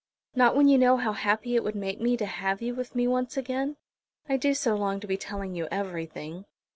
"Not when you know how happy it would make me to have you with me once again. I do so long to be telling you everything."